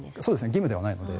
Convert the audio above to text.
義務ではないので。